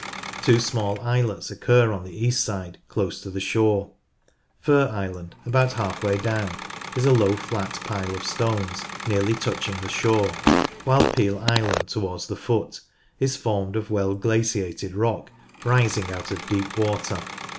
Two small islets occur on the east side, close to the shore : Fir Island, about half way down, is a low flat pile of stones nearly touching the shore, while Peel Island, towards the foot, is formed of well glaciated rock rising out of deep water.